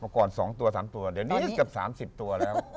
ก่อน๒ตัว๓ตัวเดี๋ยวนี้เกือบ๓๐ตัวแล้ว